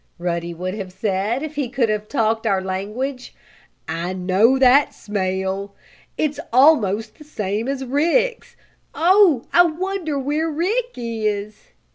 Ruddy would have said, if he could have talked our language. "I know that smell! It's almost the same as Rick's! Oh, I wonder where Rick is?"